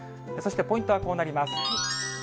そしてポイントはこうなります。